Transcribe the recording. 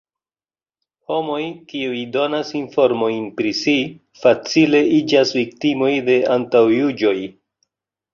Homoj, kiuj donas informojn pri si, facile iĝas viktimoj de antaŭjuĝoj.